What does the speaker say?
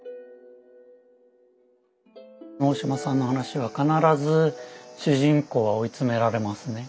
大島さんの話は必ず主人公は追い詰められますね。